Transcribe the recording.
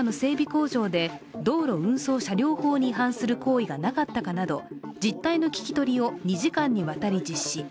工場で道路運送車両法に違反する行為がなかったかなど実態の聞き取りを２時間にわたり実施。